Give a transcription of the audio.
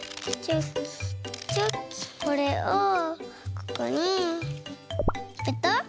これをここにペタッ。